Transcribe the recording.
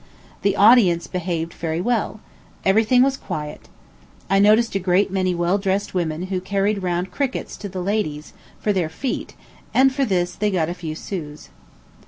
The audience behaved very well every thing was quiet. I noticed a great many well dressed women who carried round crickets to the ladies, for their feet, and for this they got a few sous.